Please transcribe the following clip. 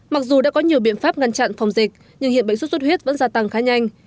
mặc dù đã có nhiều biện pháp ngăn chặn phòng dịch nhưng hiện bệnh xuất xuất huyết vẫn gia tăng khá nhanh